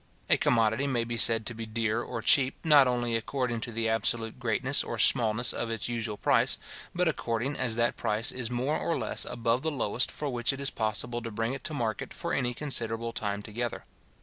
A commodity may be said to be dear or cheap not only according to the absolute greatness or smallness of its usual price, but according as that price is more or less above the lowest for which it is possible to bring it to market for any considerable time together.